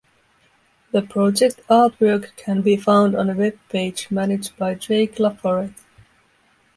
The project artwork can be found on a webpage managed by Jake LaForet.